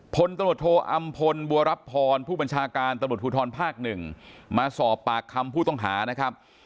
พลตำรวจโทอำพลบัวรับพรผู้บัญชาการตำรวจภูทรภาคหนึ่งมาสอบปากคำผู้ต้องหานะครับ